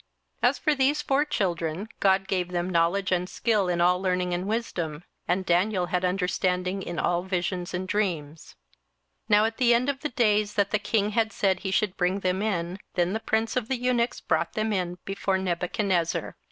27:001:017 As for these four children, God gave them knowledge and skill in all learning and wisdom: and Daniel had understanding in all visions and dreams. 27:001:018 Now at the end of the days that the king had said he should bring them in, then the prince of the eunuchs brought them in before Nebuchadnezzar.